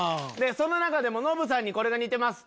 その中でも「ノブさんに似てます」